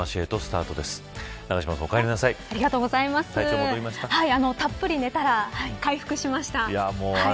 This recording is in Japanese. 体調、戻りまたっぷり寝たら回復しました。